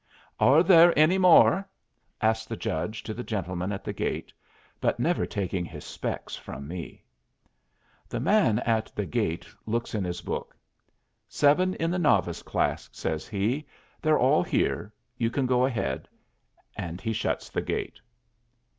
"Are there any more?" asks the judge to the gentleman at the gate, but never taking his specs from me. The man at the gate looks in his book. "Seven in the novice class," says he. "They're all here. You can go ahead," and he shuts the gate.